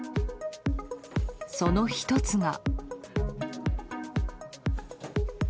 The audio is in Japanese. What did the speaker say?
その１つが。